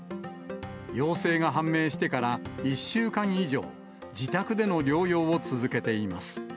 陽性が判明してから１週間以上、自宅での療養を続けています。